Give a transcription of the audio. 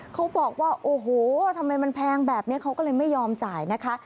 เขาบอกว่าโอ้โหทำไมมันแพงแบบนี้เขาก็เลยไม่ยอมจ่ายนะคะ